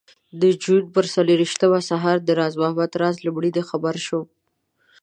د جون پر څلرویشتمه سهار د راز محمد راز له مړینې خبر شوم.